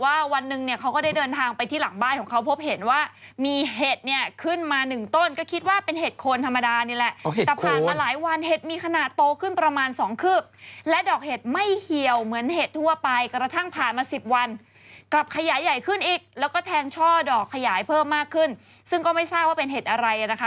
ว่ายเห็ดเหรอเถอะเด็กอ้วนว่ายนะเห็ดอ้วนว่ายนะเด็กอ้วนว่ายนะเด็กอ้วนว่ายนะเด็กอ้วนว่ายนะเด็กอ้วนว่ายนะเด็กอ้วนว่ายนะเด็กอ้วนว่ายนะเด็กอ้วนว่ายนะเด็กอ้วนว่ายนะเด็กอ้วนว่ายนะเด็กอ้วนว่ายนะเด็กอ้วนว่ายนะเด็กอ้วนว่ายนะเด็กอ้วนว่ายนะเด็กอ้วนว่ายนะเด็กอ้วนว่ายนะเด็